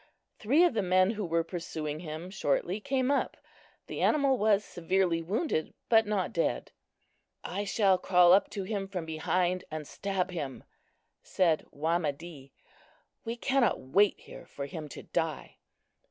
Three of the men who were pursuing him shortly came up. The animal was severely wounded, but not dead. "I shall crawl up to him from behind and stab him," said Wamedee; "we cannot wait here for him to die."